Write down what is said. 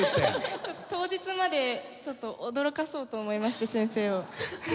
当日までちょっと驚かそうと思いまして先生を。